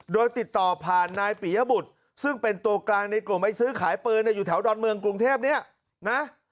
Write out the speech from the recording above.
โดยติดต่อผ่านนายปียบุตรซึ่งเป็นตัวกลางในกลุ่มไอ้ซื้อขายปืนอยู่แถวดอนเมืองกรุงเทพเนี่ยนะ